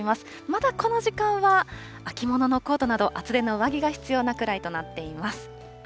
まだこの時間は秋物のコートなど、厚手の上着が必要なくらいとなっています。